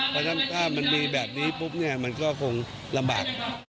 เพราะฉะนั้นถ้ามันมีแบบนี้ปุ๊บเนี่ยมันก็คงลำบาก